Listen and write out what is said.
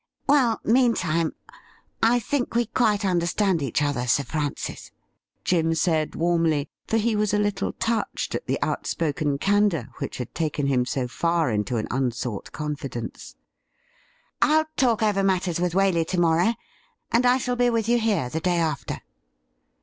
'Well, meantime, I think we quite understand each other. Sir Francis,'' Jim said warmly, for he was a little touched at the outspoken candour which had taken him so far into an unsought confidence. ' I'll talk over matters with Waley to morrow, and I shall be with you here the day after.'